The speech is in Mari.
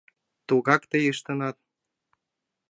Тугак тый ыштенат...